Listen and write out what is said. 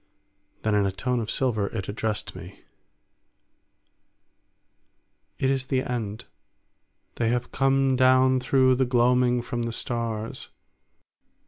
Then in a tone of silver it addressed me: "It is the end. They have come down through the gloaming from the stars.